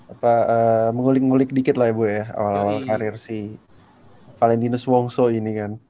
apa mengulik ngulik dikit lah ya bu ya awal awal karir si valentinus wongso ini kan